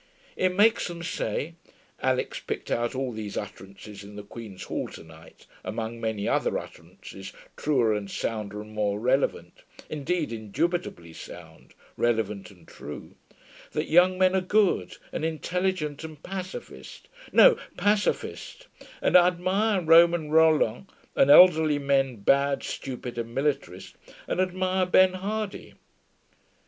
It makes them say (Alix picked out all these utterances in the Queen's Hall to night, among many other utterances truer and sounder and more relevant indeed, indubitably sound, relevant and true) that young men are good and intelligent and pacificist (no, pacifist) and admire Romain Rolland, and elderly men bad, stupid and militarist, and admire Bernhardi.